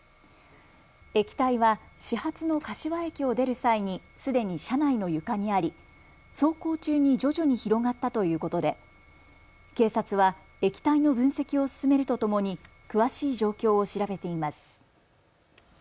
液体は始発の柏駅を出る際にすでに車内の床にあり走行中に徐々に広がったということで警察は液体の分析を進めるとともに詳しい状況を調べています。